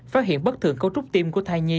phát hiện bất thường cấu trúc tim của thai nhi